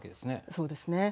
そうですね。